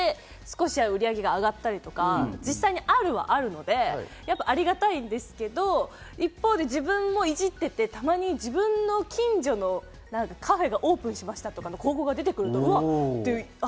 それで売り上げが少しでも上がったりとか実際あるのはあるのでありがたいんですけど、一方で自分もいじっていて、たまに自分の近所のカフェがオープンしましたという広告が出てくると、うわっと。